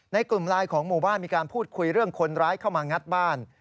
ในกลุ่มไลน์ของหมู่บ้านมีการพูดคุยเรื่องคนร้ายเข้ามางัดบ้าน